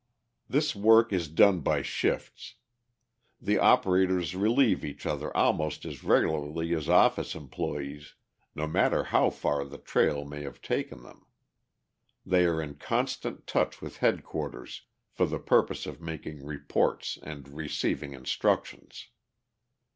This work is done by shifts. The operators relieve each other almost as regularly as office employees, no matter how far the trail may have taken them. They are in constant touch with headquarters for the purpose of making reports and receiving instructions.